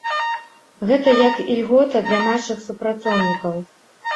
Гэта як ільгота для нашых супрацоўнікаў.